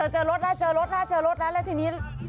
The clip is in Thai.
เจอรถแล้วแล้วทีนี้คุณขายไปไหน